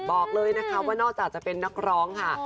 บอกเลยนะคะว่านอกจากจะเป็นนักร้องค่ะ